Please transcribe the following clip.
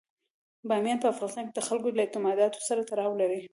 بامیان په افغانستان کې د خلکو له اعتقاداتو سره تړاو لري.